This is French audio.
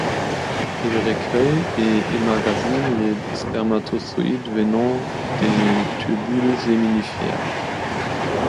Il recueille et emmagasine les spermatozoïdes venant des tubules séminifères.